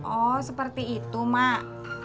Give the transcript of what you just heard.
oh seperti itu mak